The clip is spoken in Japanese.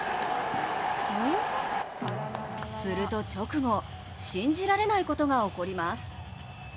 すると直後、信じられないことが起こります。